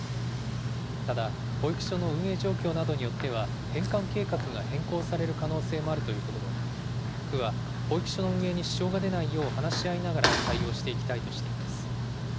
ただ、保育所の運営状況などによっては、返還計画が変更される可能性もあるということで、区は保育所の運営に支障が出ないよう話し合いながら対応していきたいとしています。